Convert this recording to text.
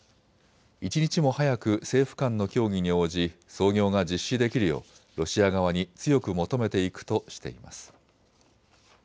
一日も早く政府間の協議に応じ操業が実施できるようロシア側に強く求めていくとしています。